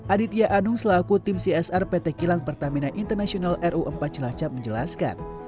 aditya anung selaku tim csr pt kilang pertamina international ru empat cilacap menjelaskan